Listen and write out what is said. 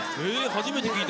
初めて聞いた。